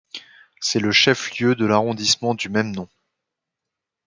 C'est le chef-lieu de l'arrondissement du même nom.